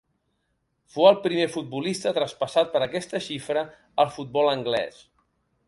Fou el primer futbolista traspassat per aquesta xifra al futbol anglès.